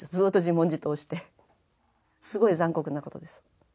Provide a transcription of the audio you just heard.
すごい残酷なことです。